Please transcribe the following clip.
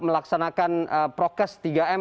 melaksanakan prokes tiga m